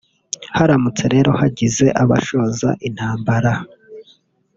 Haramutse rero hagize abashoza intambara